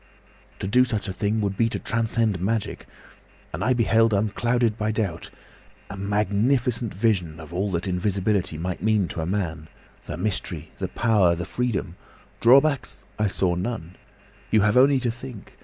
"To do such a thing would be to transcend magic. And I beheld, unclouded by doubt, a magnificent vision of all that invisibility might mean to a man—the mystery, the power, the freedom. Drawbacks I saw none. You have only to think!